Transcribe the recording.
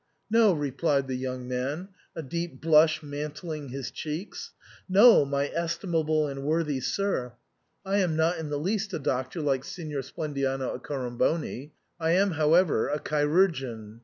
" No," replied the young man, a deep blush mantling his cheeks, " no, my estimable and worthy sir, I am not in the least a doctor like Signor Splendiano Accoram boni ; I am however a chirurgeon.